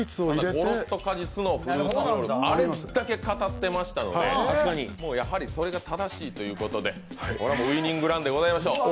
ごろっと果実のフルーツロール、あれだけ語ってましたのでやはりそれが正しいということでウィニングランでございましょう。